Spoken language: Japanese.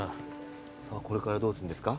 さあこれからどうすんですか？